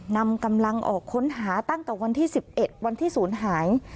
นำกำลังออกค้นหาตั้งแต่วันที่๑๑วันที่ศูนย์หาย